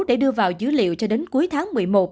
để đưa vào dữ liệu cho đến cuối tháng một mươi một